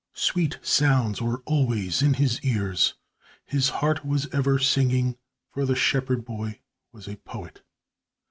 Sweet sounds were always in his ears, his heart was ever singing, for the shepherd boy was a poet.